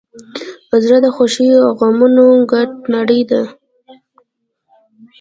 زړه د خوښیو او غمونو ګډه نړۍ ده.